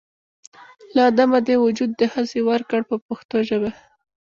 له عدمه دې وجود دهسې ورکړ په پښتو ژبه.